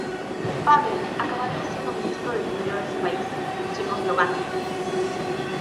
Pavel acabaría siendo Ministro del Interior en su país, Checoslovaquia.